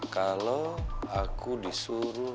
kalau aku disuruh